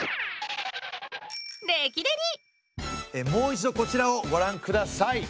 もう一度こちらをごらんください。